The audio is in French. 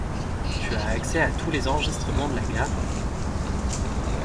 Tu as accès à tous les enregistrements de la gare ?